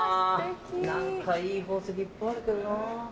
何かいい宝石いっぱいあるけどなぁ。